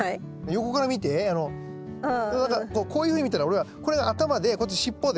横から見てこういうふうに見たら俺はこれが頭でこっち尻尾で。